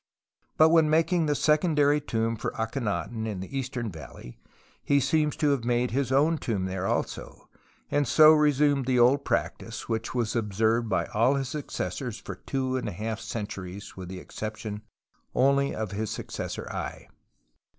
But when making the secondary tomb for Aklienaton in the Eastern Valley he seems to have made his own tomb there also, and so resumed the old practice, which was observed by all his successors for two and a half centuries with the exception only of his successor Ay.